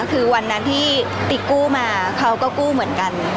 คือวันนั้นที่ติ๊กกู้มาเขาก็กู้เหมือนกัน